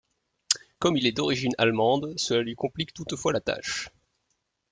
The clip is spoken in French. Comme il est d'origine allemande, cela lui complique toutefois la tâche.